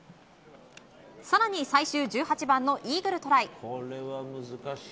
更に、最終１８番のイーグルトライ。